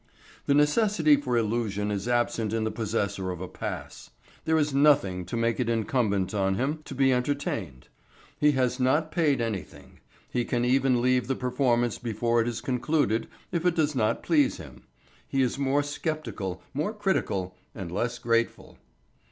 The necessity for illusion is absent in the possessor of a pass. There is nothing to make it incumbent on him to be entertained; he has not paid anything. He can even leave the performance before it is concluded if it does not please him. He is more sceptical, more critical, and less grateful.